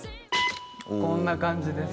こんな感じです。